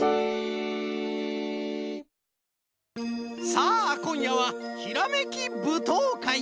さあこんやはひらめきぶとうかい。